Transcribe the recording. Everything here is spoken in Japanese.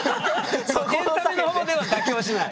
エンタメの方では妥協しない。